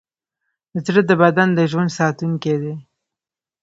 زړه د بدن د ژوند ساتونکی دی.